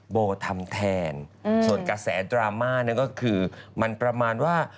โบทำแทนส่วนกระแสดราม่านั่นก็คือมันประมาณว่า